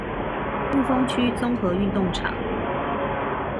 霧峰區綜合運動場